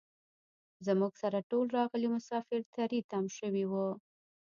زموږ سره ټول راغلي مسافر تري تم شوي وو.